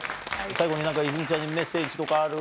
最後に何か泉ちゃんにメッセージとかある？